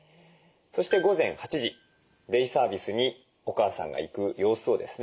そして午前８時デイサービスにお母さんが行く様子をですね